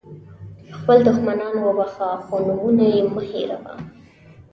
خپل دښمنان وبخښه خو نومونه یې مه هېروه.